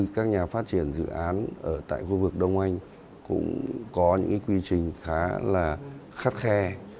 các nhà phát triển dự án ở tại khu vực đông anh cũng có những quy trình khá là khắt khe